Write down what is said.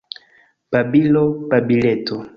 Babilo, babileto!